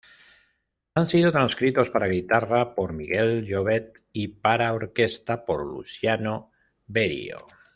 Han sido transcritos para guitarra por Miguel Llobet y para orquesta por Luciano Berio.